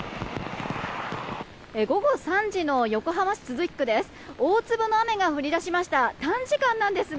午後３時の横浜市都筑区です。